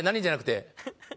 じゃなくて。